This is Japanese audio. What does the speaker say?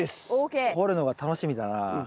掘るのが楽しみだな。